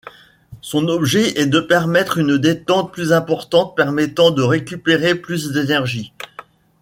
Son objet est de permettre une détente plus importante, permettant de récupérer plus d'énergie.